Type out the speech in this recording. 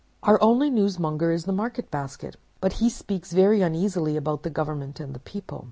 Our only newsmonger is the Market Basket; but he speaks very uneasily about the government and the people.